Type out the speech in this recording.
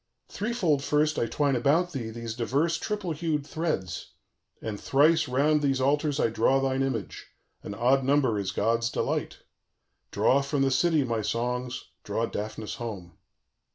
_ "Threefold first I twine about thee these diverse triple hued threads, and thrice round these altars I draw thine image: an odd number is god's delight. "_Draw from the city, my songs, draw Daphnis home.